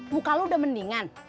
muka lu udah mendingan